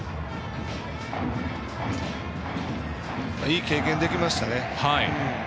いい経験できましたね。